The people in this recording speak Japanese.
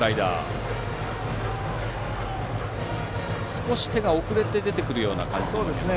少し手が遅れて出てくるような感じですね。